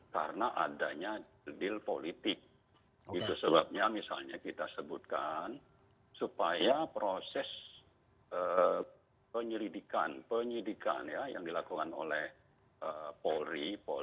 karena adanya deal politik itu sebabnya misalnya kita sebutkan supaya proses penyelidikan yang dilakukan oleh polri